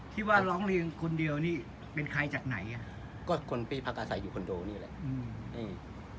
ที่ว่าร้องเรียนคนเดียวนี่เป็นใครจากไหนอ่ะก็คนไปพักอาศัยอยู่คอนโดนี่แหละ